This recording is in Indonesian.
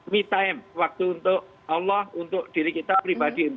me time waktu untuk allah untuk diri kita pribadi